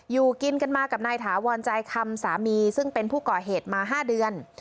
อยู่กินกันมากับนายถาวรใจคำสามีซึ่งเป็นผู้ก่อเหตุมา๕เดือน